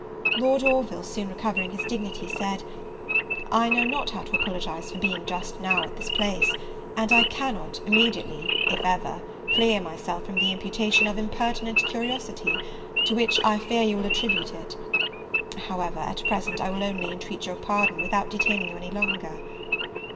Lord Orville, soon recovering his dignity, said, "I know not how to apologize for being, just now, at this place; and I cannot, immediately if ever clear myself from the imputation of impertinent curiosity, to which I fear you will attribute it: however, at present, I will only intreat your pardon, without detaining you any longer."